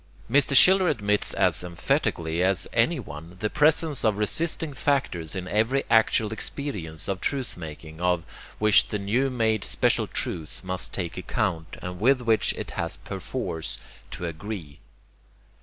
Mr. Schiller admits as emphatically as anyone the presence of resisting factors in every actual experience of truth making, of which the new made special truth must take account, and with which it has perforce to 'agree.'